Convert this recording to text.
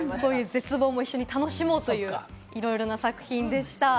絶望も楽しもうという、いろいろな作品でした。